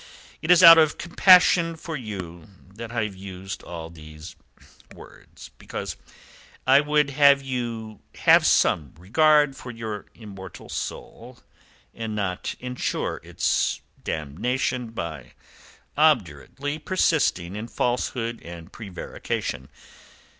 It is out of compassion for you that I have used all these words because I would have you have some regard for your immortal soul, and not ensure its damnation by obdurately persisting in falsehood and prevarication.